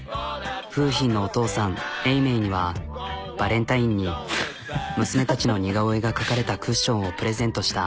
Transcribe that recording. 楓浜のお父さん永明にはバレンタインに娘たちの似顔絵が描かれたクッションをプレゼントした。